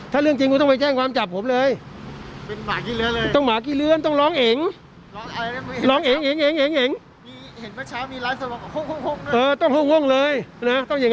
ท่องเส้นช็อห์ประวัติศาสตร์ทำลักษณ์